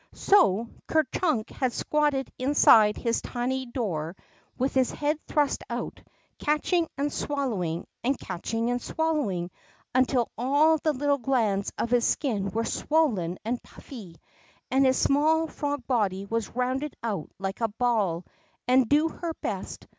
So Ker Chunk had squatted inside his tiny door, with his head thrust out, catching and swal lowing, and catching and swallowing, until all the little glands of his skin were swollen and puffy, and his small frog body was rounded out like a hall, and do her best.